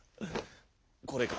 これか。